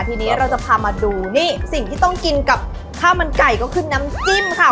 ทีนี้เราจะพามาดูนี่สิ่งที่ต้องกินกับข้าวมันไก่ก็คือน้ำจิ้มค่ะ